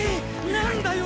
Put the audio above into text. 何だよ！？